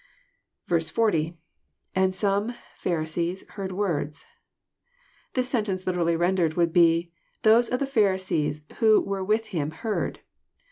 10. — lAnd 8ome.„Fhari8ee8,,,heard xoordsJ] This sentence literally rendered would be, '* Those of the Pharisees who were with Him heard."